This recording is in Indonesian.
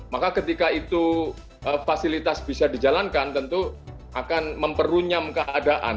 maka ketika itu fasilitas bisa dijalankan tentu akan memperunyam keadaan